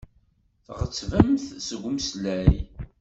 Tɣettbemt deg umeslay.